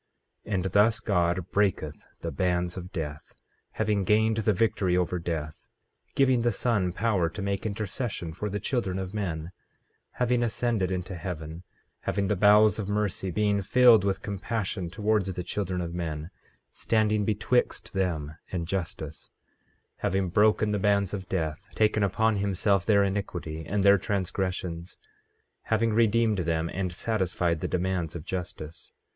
15:8 And thus God breaketh the bands of death, having gained the victory over death; giving the Son power to make intercession for the children of men— 15:9 Having ascended into heaven, having the bowels of mercy; being filled with compassion towards the children of men; standing betwixt them and justice; having broken the bands of death, taken upon himself their iniquity and their transgressions, having redeemed them, and satisfied the demands of justice.